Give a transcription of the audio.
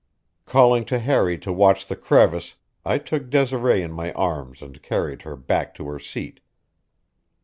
Calling to Harry to watch the crevice, I took Desiree in my arms and carried her back to her seat.